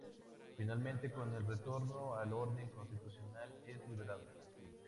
Finalmente con el retorno al orden constitucional es liberado.